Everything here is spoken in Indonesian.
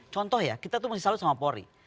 contoh ya kita tuh masih sama pori